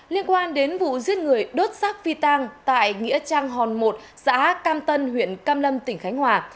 liên quan đến vụ giết người đốt sắc phi tang tại nghĩa trang hòn một xã cam tân huyện cam lâm tỉnh khánh hòa